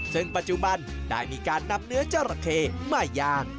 ซึ่งปัจจุบันได้มีการนำเนื้อจราเขมายาง